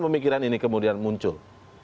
pemikiran ini kemudian muncul